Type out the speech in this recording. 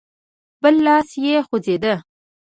بل لاس يې خوځېده.